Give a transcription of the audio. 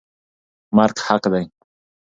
مرګ حق دی.